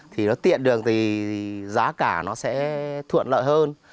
thì nó tiện được thì giá cả nó sẽ thuận lợi hơn